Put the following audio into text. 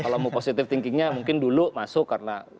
kalau mau positive thinkingnya mungkin dulu masuk karena